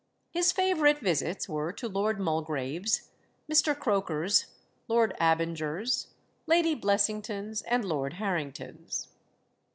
His favourite visits were to Lord Mulgrave's, Mr. Croker's, Lord Abinger's, Lady Blessington's, and Lord Harrington's.